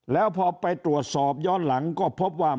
แล้วพอไปตรวจสอบย้อนหลังก็พบว่า